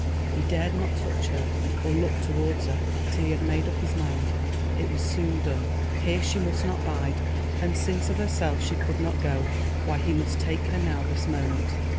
He dared not touch her or look towards her—till he had made up his mind. It was soon done. Here she must not bide, and since of herself she could not go, why he must take her now, this moment!